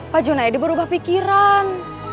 pak junaedi berubah pikiran